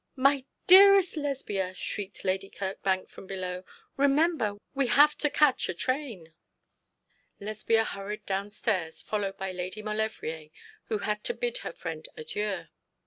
'My dearest Lesbia,' shrieked Lady Kirkbank from below, 'remember we have to catch a train.' Lesbia hurried downstairs, followed by Lady Maulevrier, who had to bid her friend adieu.